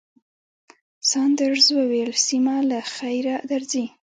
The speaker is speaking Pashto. ساندرز وویل، سېمه، له خیره درځئ.